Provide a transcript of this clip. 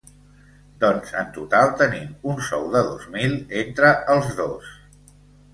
Doncs en total tenim un sou de dos mil entre els dos.